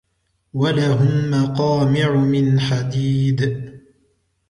ولهم مقامع من حديد